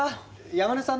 山根さん！